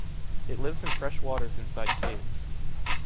It lives in fresh waters inside caves.